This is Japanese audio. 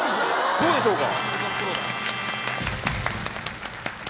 どうでしょうか？